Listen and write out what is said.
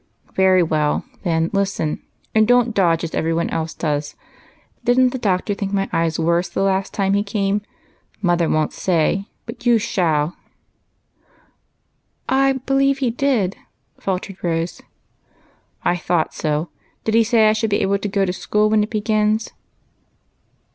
" Very well ; then listen, and don't dodge, as every one else does. Did n't the doctor think my eyes worse the last time he came? Mother won't say, but you POOR MAC. 123 " I believe he did," faltered Rose. " I thought so ! Did he say I should be able to go to school when it begins?"